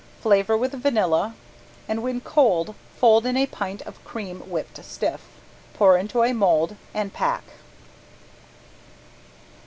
Flavor with vanilla, and when cold fold in a pint of cream whipped stiff. Pour into a mold and pack.